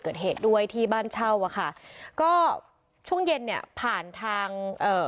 เกิดเหตุด้วยที่บ้านเช่าอ่ะค่ะก็ช่วงเย็นเนี่ยผ่านทางเอ่อ